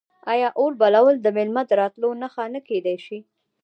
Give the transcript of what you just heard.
آیا اور بلول د میلمه د راتلو نښه نه کیدی شي؟